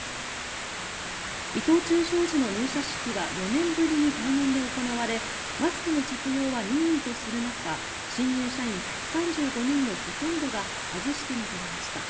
伊藤忠商事の入社式は４年ぶりに対面で行われマスクの着用は任意とする中新入社員１３５人のほとんどが外して臨みました。